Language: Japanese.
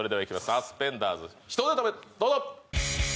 サスペンダーズ１ネタ目どうぞ！